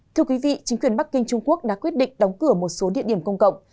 thưa quý vị chính quyền bắc kinh trung quốc đã quyết định đóng cửa một số địa điểm công cộng